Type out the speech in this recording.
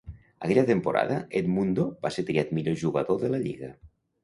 Aquella temporada, Edmundo va ser triat millor jugador de la lliga.